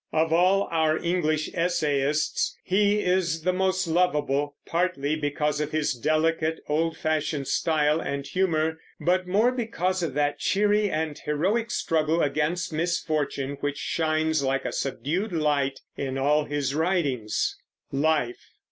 Of all our English essayists he is the most lovable; partly because of his delicate, old fashioned style and humor, but more because of that cheery and heroic struggle against misfortune which shines like a subdued light in all his writings. LIFE.